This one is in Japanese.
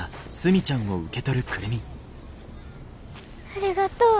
ありがとう。